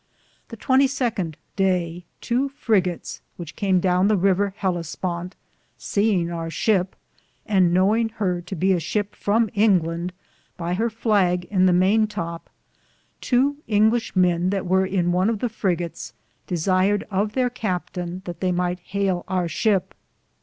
The 22th Day, tow friggotes which came down the ryver Hellisponte, seinge our ship, and knowing her to be a ship from Inglande by her flage in the mayn top, tow Inglishe men that weare in one of the friggotes desiered of ther Captaine that they myghte haile our shipe.